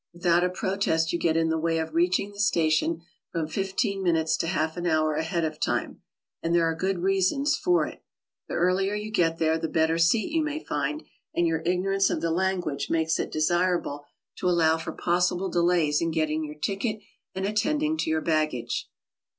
Without a protest you get in the way of reaching the station from fifteen min utes to half an hour ahead of time. And there are good reasons for it. The earlier you get there, the better seat you may find; and your ignorance of the language makes it desirable to allow for possible delays in getting your ticket and attending to your luggage.